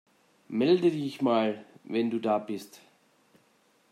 Melde dich mal, wenn du da bist.